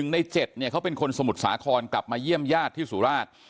ใน๗เนี่ยเขาเป็นคนสมุทรสาครกลับมาเยี่ยมญาติที่สุราช